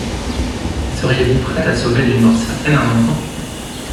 Seriez-vous prête à sauver d’une mort certaine un enfant